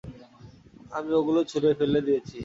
আমি ওগুলো ছুড়ে ফেলে দিয়েছি।